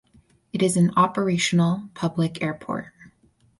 It is an operational public airport.